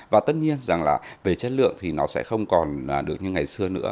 và tất nhiên rằng là về chất lượng thì nó sẽ không còn được như ngày xưa nữa